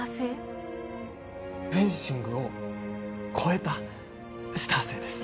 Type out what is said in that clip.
フェンシングを超えたスター性です